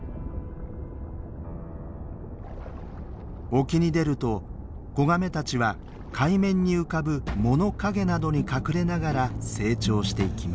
沖に出ると子ガメたちは海面に浮かぶ藻の陰などに隠れながら成長していきます。